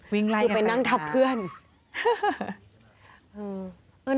วิ่งไล่กันค่ะหรืออยู่ไปนั่งทับเพื่อนนะ